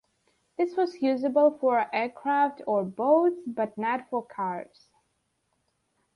This was usable for aircraft or boats but not for cars.